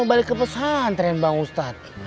ayo balik ke pesantren bang ustad